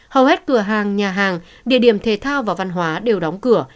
hầu hết cửa hàng nhà hàng địa điểm thể thao và văn hóa đều đóng cửa